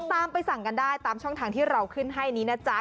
ไปสั่งกันได้ตามช่องทางที่เราขึ้นให้นี้นะจ๊ะ